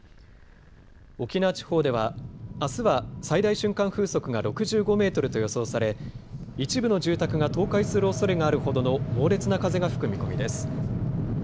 沖縄地方ではあすは最大瞬間風速が６５メートルと予想され一部の住宅が倒壊するおそれがあるほどの猛烈な風が吹く見込みです。